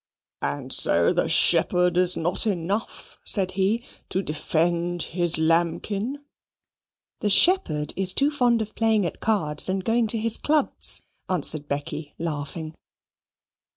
"And so the shepherd is not enough," said he, "to defend his lambkin?" "The shepherd is too fond of playing at cards and going to his clubs," answered Becky, laughing.